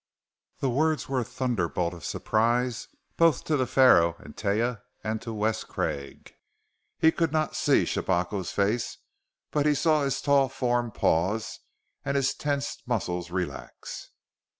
The words were a thunderbolt of surprise, both to the Pharaoh and Taia, and to Wes Craig. He could not see Shabako's face, but he saw his tall form pause, and his tensed muscles relax.